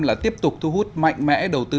là tiếp tục thu hút mạnh mẽ đầu tư